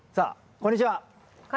こんにちは！